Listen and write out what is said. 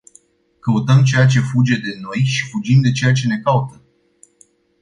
Căutăm ceea ce fuge de noi și fugim de ceea ce ne caută.